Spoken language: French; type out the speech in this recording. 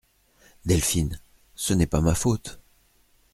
Delphine Ce n'est pas ma faute …